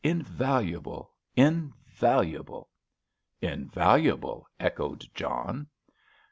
"Invaluable—invaluable!" "Invaluable!" echoed John.